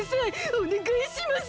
おねがいします！